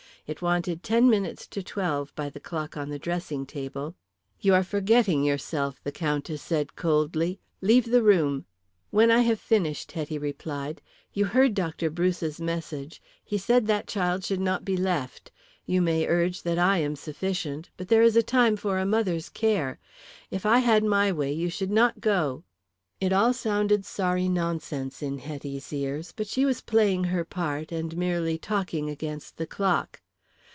It wanted ten minutes to twelve by the clock on the dressing table. "You are forgetting yourself," the Countess said coldly. "Leave the room." "When I have finished," Hetty replied. "You heard Dr. Bruce's message. He said that child should not be left. You may urge that I am sufficient, but there is a time for a mother's care. If I had my way you should not go." It all sounded sorry nonsense in Hetty's ears, but she was playing her part, and merely talking against the clock.